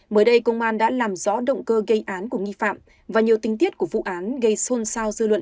mới đây công an đã làm rõ động cơ gây án của nghi phạm và nhiều tinh tiết của vụ án gây xôn xao dư luận